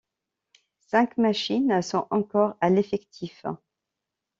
Cinq machines sont encore à l'effectif.